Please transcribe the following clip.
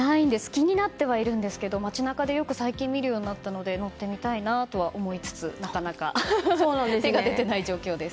気になってはいるんですが街中でよく最近見るようになったので乗ってみたいなとは思いつつなかなか手が出てない状態です。